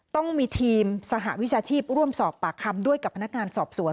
ต้องมีทีมสหวิชาชีพร่วมสอบปากคำด้วยกับพนักงานสอบสวน